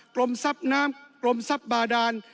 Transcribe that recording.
กรมทรัพยาบาดาล